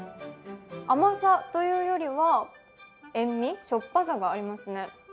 甘さというよりは、塩み、しょっぱさがありますね。